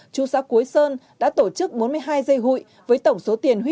trung sát cuối sơn đã tổ chức bốn mươi hai giây hội với tổng số tiền huy